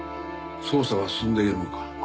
捜査は進んでいるのか？